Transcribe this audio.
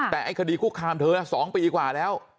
แต่ไอ้คดีคุกคามเธอ๒ปีกว่าแล้ว